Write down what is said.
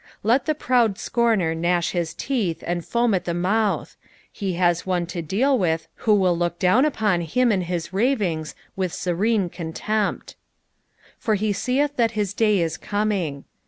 Let the proud scomer gnash his teeth and foam at the mouth \ he has one to deal with who will look down upon him and his ravings with serene cnutempt, " For he teeth that his day it eoming.